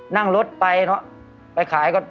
นั่งรถไปเนอะไปขายก็